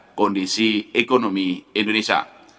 bagaimana kondisi ekonomi indonesia